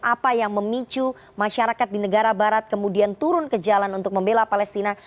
apa yang memicu masyarakat di negara barat kemudian turun ke jalan untuk membela palestina